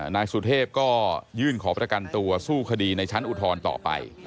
นายสุเทพก็ยื่นขอประกันตัวสู้คดีในชั้นอุทธรณ์ต่อไป